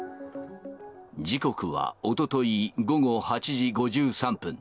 時刻はおととい午後８時５３分。